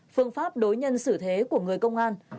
phương pháp đối nhân xử thế của người công an